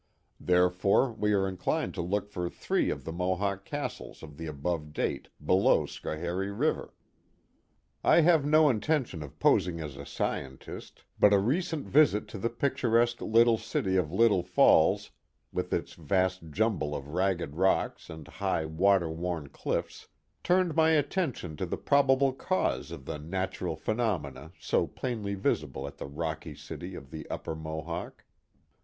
Therefore we are inclined to look for three of the Mohawk castles of the above date below Schoharie River. Glacial Period in the Valley 363 I have no intention of posing as a scientist, but a recent visit to the picturesque little city of Little Falls, with its vast jumble of ragged rocks and high, water worn cliffs, turned my attention to the probable cause of the natural phenomena so plainly visible at the rocky city of the upper Mohawk.